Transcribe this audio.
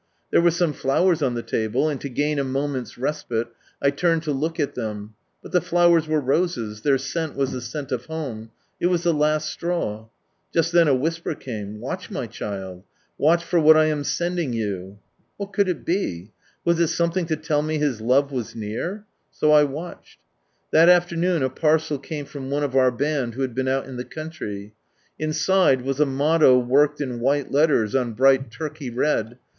There were some flowers on the table, and to gain a moment's respite, I turned to look at them, but the flowers were roses, their scent was the scent of home, it was the "last straw. Just then a whisper came. " jyaldi, my child ; waUh Jor whal I am sending you !" What could it be ? Was it something to tell me His love was near ? So I watched. That afternoon a parcel came from one of our band who had been out in the coun try, Inside, was a motto worked in white letters on bright Turkey red.